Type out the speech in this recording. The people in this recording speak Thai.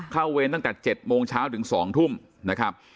เวรตั้งแต่๗โมงเช้าถึง๒ทุ่มนะครับ